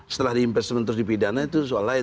setelah di impeachment terus di pidana itu soal lain